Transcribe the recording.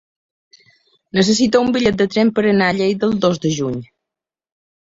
Necessito un bitllet de tren per anar a Lleida el dos de juny.